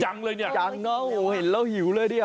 ยังเลยเนี่ยยังเนอะเห็นแล้วหิวเลย